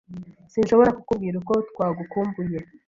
Sinshobora kukubwira uko twagukumbuye.